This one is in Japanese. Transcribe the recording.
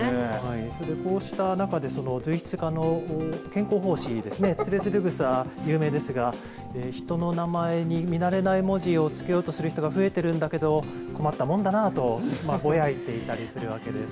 それで、こうした中で随筆家の兼好法師ですね徒然草が有名ですが人の名前に見慣れない文字をつけようとする人が増えているんだけど困ったもんだなあとぼやいていたりするわけですね。